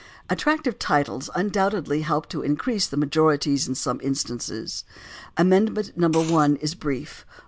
Attractive titles undoubtedly helped to increase the majorities in some instances. Amendment No. 1 is brief.